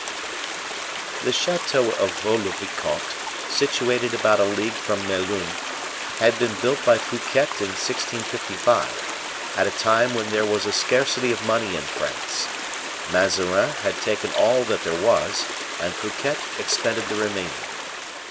The chateau of Vaux le Vicomte, situated about a league from Melun, had been built by Fouquet in 1655, at a time when there was a scarcity of money in France; Mazarin had taken all that there was, and Fouquet expended the remainder.